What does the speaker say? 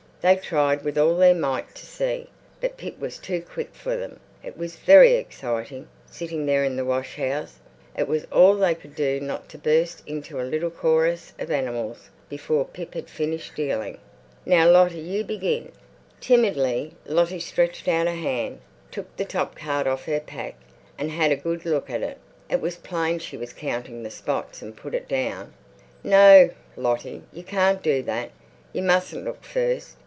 They tried with all their might to see, but Pip was too quick for them. It was very exciting, sitting there in the washhouse; it was all they could do not to burst into a little chorus of animals before Pip had finished dealing. "Now, Lottie, you begin." Timidly Lottie stretched out a hand, took the top card off her pack, had a good look at it—it was plain she was counting the spots—and put it down. "No, Lottie, you can't do that. You mustn't look first.